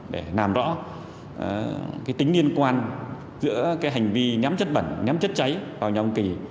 để làm rõ tính liên quan giữa cái hành vi nhắm chất bẩn nhắm chất cháy vào nhà ông kỳ